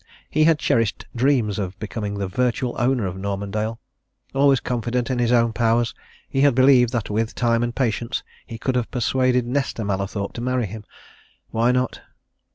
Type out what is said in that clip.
He had cherished dreams of becoming the virtual owner of Normandale. Always confident in his own powers, he had believed that with time and patience he could have persuaded Nesta Mallathorpe to marry him why not?